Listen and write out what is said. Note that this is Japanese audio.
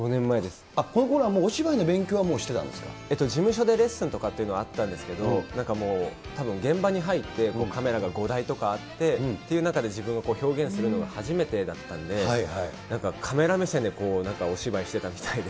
このころはもうお芝居の勉強事務所でレッスンとかっていうのはあったんですけど、なんかもうたぶん、現場に入って、カメラが５台とかあって、っていう中で、自分が表現するのが初めてだったんで、なんかカメラ目線で、なんかお芝居してたみたいで。